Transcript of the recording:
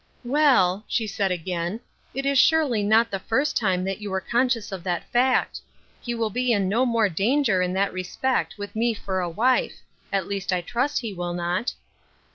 " Well," she said again, " it is surely not the first time you were conscious of that fact. He will be in no more danger in that respect with me for a wife. At least I trust he will not."